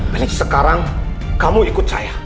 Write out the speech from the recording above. pak riki sekarang kamu ikut saya